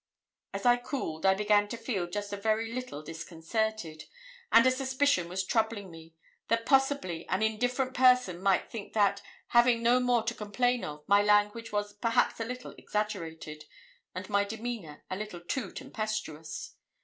As I cooled, I began to feel just a very little disconcerted, and a suspicion was troubling me that possibly an indifferent person might think that, having no more to complain of, my language was perhaps a little exaggerated, and my demeanour a little too tempestuous.